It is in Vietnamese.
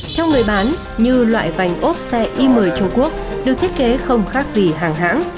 theo người bán như loại vành ốp xe y một mươi trung quốc được thiết kế không khác gì hàng hãng